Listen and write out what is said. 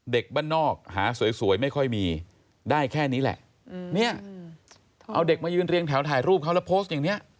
เด็กบ้านนอกหาสวยไม่ค่อยมีได้แค่นี้แหละเนี่ยเอาเด็กมายืนเรียงแถวถ่ายรูปเขาแล้วโพสต์อย่างนี้